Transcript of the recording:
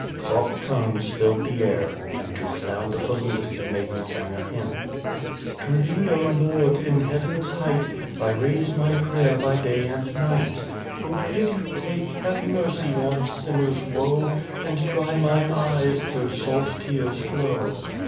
Soft tones filled the air and to the sound of the lute, the maiden sang a hymn. To thee, O, Lord, in heaven^ height, I raise my prayer by day and dignt, O pity take, Have mercy on a sinner's woe, And dry mine eyes, tho' salt tears flow